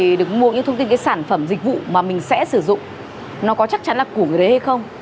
thì được mua những thông tin cái sản phẩm dịch vụ mà mình sẽ sử dụng nó có chắc chắn là của người đấy hay không